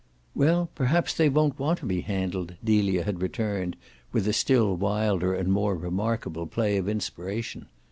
"Well, perhaps they won't want to be handled," Delia had returned with a still wilder and more remarkable play of inspiration.